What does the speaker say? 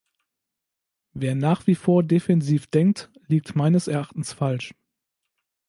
Wer nach wie vor defensiv denkt, liegt meines Erachtens falsch.